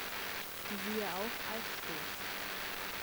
Siehe auch Eisstoß.